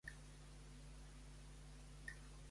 I a la tercera, "Les tres bessones", de Miquel Àvila.